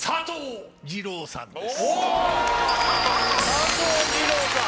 佐藤二朗さん。